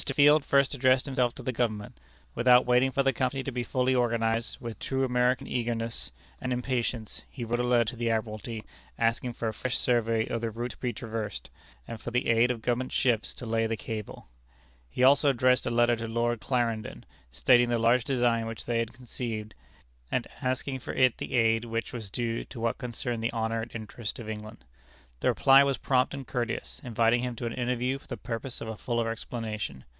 Field first addressed himself to the Government. Without waiting for the Company to be fully organized, with true American eagerness and impatience, he wrote a letter to the Admiralty asking for a fresh survey of the route to be traversed, and for the aid of Government ships to lay the cable. He also addressed a letter to Lord Clarendon, stating the large design which they had conceived, and asking for it the aid which was due to what concerned the honor and interest of England. The reply was prompt and courteous, inviting him to an interview for the purpose of a fuller explanation.